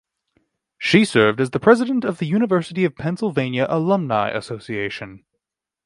She served as the president of the University of Pennsylvania Alumnae Association.